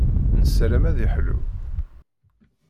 Nessaram ad iḥlu.